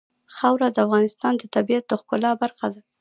خاوره د افغانستان د طبیعت د ښکلا برخه ده.